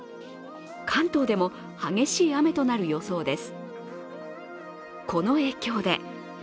関東でも激しい雨となる予想です。